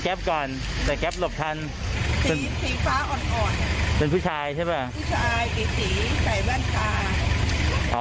แล้วเขาก็บอกว่าเดี๋ยวโทรเลือกประกัน